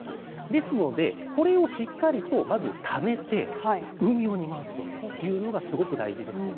ですので、これをしっかりとまずためて運用に回すというのが、すごく大事ですね。